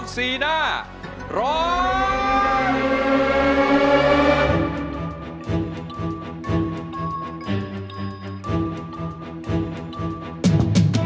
สีหน้าร้องได้หรือว่าร้องผิดครับ